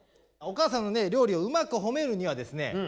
お母さんのね料理をうまくほめるにはですね